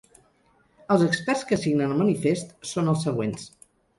Els experts que signen el manifest són els següents.